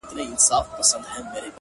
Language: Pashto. پرمختګ له کوچنیو اصلاحاتو جوړېږي